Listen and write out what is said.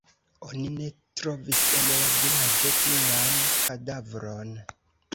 Oni ne trovis en la vilaĝo pluan kadavron.